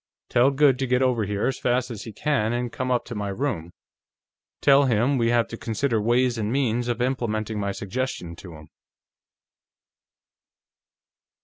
Tell Goode to get over here as fast as he can, and come up to my room; tell him we have to consider ways and means of implementing my suggestion to him."